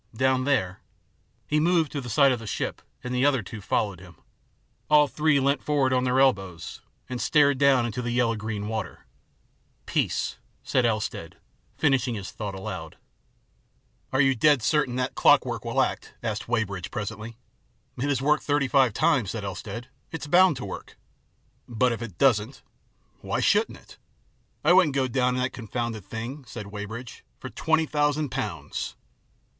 Down there " He moved to the side of the ship and the other two followed him. All three leant forward on their elbows and stared down into the yellow green water. " Peace" said Elstead, finishing his thought aloud. " Are you dead certain that clockwork will act ?" asked Weybridge presently. "It has worked thirty five times," said Elstead. " It's bound to work." " But if it doesn't ?" "Why shouldn't it?" " I wouldn't go down in that confounded thing," said Weybridge, " for twenty thousand pounds."